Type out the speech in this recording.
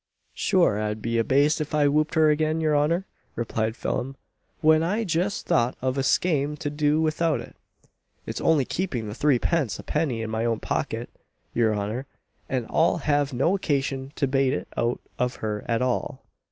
"Sure I'd be a baste if I whopp'd her again, your honour," replied Phelim, "when I just thought of a skame to do without it. It's ounly keeping the threepence ha'penny in my oun pocket, your honour, and I'll have no occasion to bate it out of her at all."